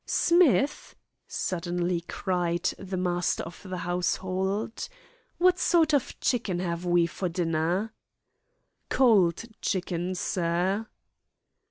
"Smith," suddenly cried the master of the household, "what sort of chicken have we for dinner?" "Cold chicken, sir."